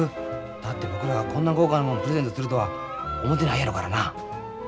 だって僕らがこんな豪華なもんプレゼントするとは思てないやろからな。